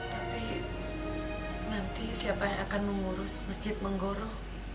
tapi nanti siapa yang akan mengurus masjid menggoro